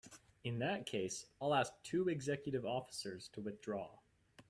In that case I'll ask the two executive officers to withdraw.